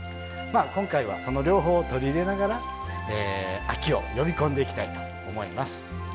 今回はその両方を取り入れながら秋を呼び込んでいきたいと思います。